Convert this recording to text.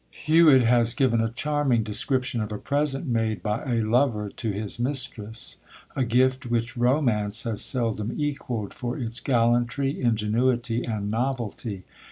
Huet has given a charming description of a present made by a lover to his mistress; a gift which romance has seldom equalled for its gallantry, ingenuity, and novelty.